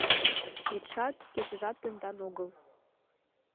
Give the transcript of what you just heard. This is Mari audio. Йӱдшат, кечыжат тендан огыл.